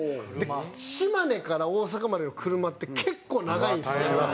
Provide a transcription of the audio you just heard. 島根から大阪までの車って結構長いんですよ。